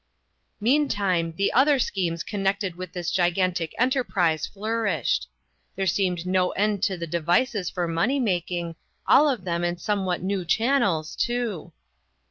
Meantime, the other schemes connected with this gigantic enterprise flourished. There seemed no end to the devices for money making, all of them in somewhat new chan nels, too.